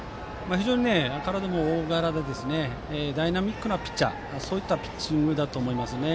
非常に体も大柄でダイナミックなピッチャーというピッチングだと思います。